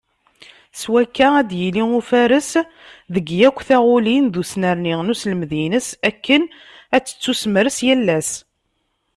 S wakka ad d-yili ufares deg yakk taɣulin, d usnerni n uselmed-ines akken ad tettusemres yal ass.